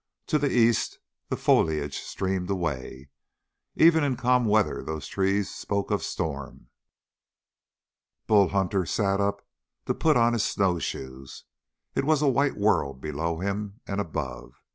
To the east the foliage streamed away. Even in calm weather those trees spoke of storm. Bull Hunter sat up to put on his snowshoes. It was a white world below him and above.